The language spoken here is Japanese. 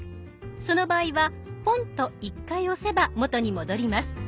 その場合はポンと１回押せば元に戻ります。